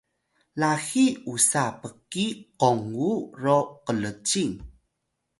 laxiy usa pkiy qongu ro qlcing